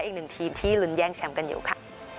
อีกหนึ่งทีมที่ลุ้นแย่งแชมป์กันอยู่ค่ะ